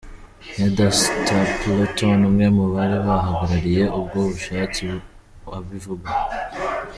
Heather Stapleton umwe mu bari bahagarariye ubwo bushatsi abivuga.